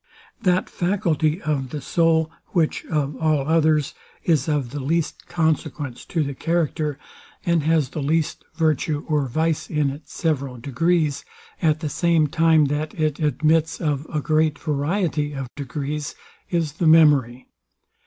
That faculty of the soul, which, of all others, is of the least consequence to the character, and has the least virtue or vice in its several degrees, at the same time, that it admits of a great variety of degrees, is the memory.